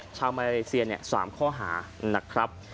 ชาวมาเลเซีย๓ข้อหานะครับ